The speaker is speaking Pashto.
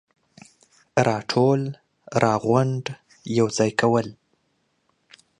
راټول ، راغونډ ، يوځاي کول,